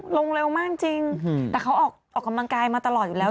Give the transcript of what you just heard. ลงเร็วมากจริงแต่เขาออกกำลังกายมาตลอดอยู่แล้ว